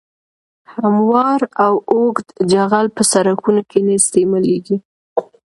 هموار او اوږد جغل په سرکونو کې نه استعمالیږي